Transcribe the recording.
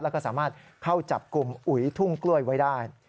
แล้วก็สามารถเข้าจับกลุ่มอุ๋ยทุ่งกล้วยไว้ได้